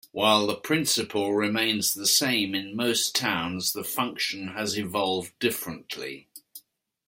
While the principle remains the same in most towns, the function has evolved differently.